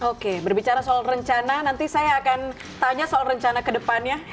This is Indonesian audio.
oke berbicara soal rencana nanti saya akan tanya soal rencana ke depannya